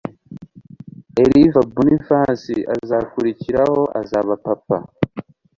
Elve Boniface azakurikiraho azaba Papa